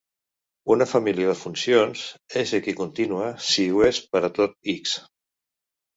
Una família de funcions és equicontínua si ho és per a tot "X".